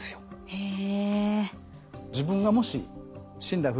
へえ。